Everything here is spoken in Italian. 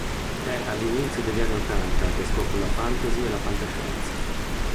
È agli inizi degli anni ottanta che scopre la fantasy e la fantascienza.